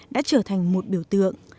đã trở thành một biểu tượng